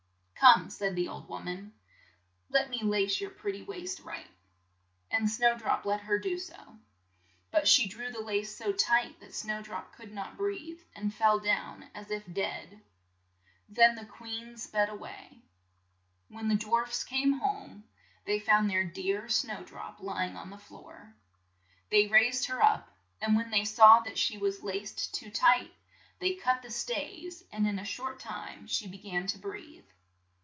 "Come," said the old wom an, "let me lace your pret ty waist right," and Snow drop let her do so. But she drew the lace so tight that Snow drop could not breathe, and fell down as if dead. Then the queen sped a way. When the dwarfs came home they found their dear Snow drop ly ing on the floor. They raised her up, and when they saw that she was laced too tight, they cut the stays, and in a short time she be gan to breathe.